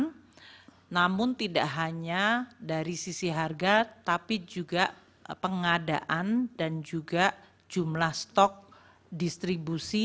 namun tidak hanya dari sisi harga tapi juga pengadaan dan juga jumlah stok distribusi